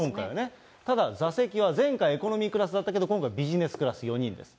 ただ、座席は前回、エコノミークラスだったけど、今回、ビジネスクラス４人です。